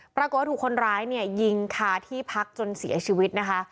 ปรากฏว่าถูกคนร้ายเนี่ยยิงคาที่พักจนเสียชีวิตนะคะ